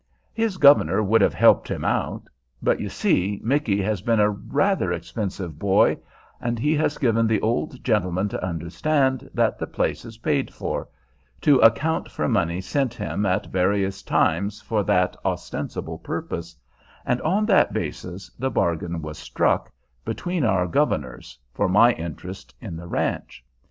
His governor would have helped him out; but, you see, Micky has been a rather expensive boy, and he has given the old gentleman to understand that the place is paid for, to account for money sent him at various times for that ostensible purpose, and on that basis the bargain was struck, between our governors, for my interest in the ranch.